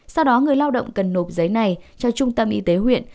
sau đó người lao động cần nộp giấy này cho trung tâm y tế huyện